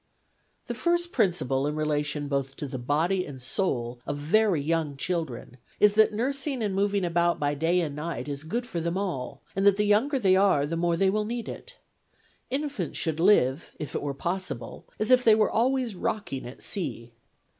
The first principle in relation both to the body and soul of very young children is that nursing and moving about by day and night is good for them all, and that 180 FEMINISM IN GREEK LITERATURE the younger they are the more they will need it. In fants should live, if it were possible, as if they were always rocking at sea.